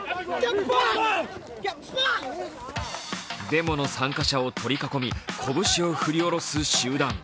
デモの参加者を取り囲み拳を振り下ろす集団。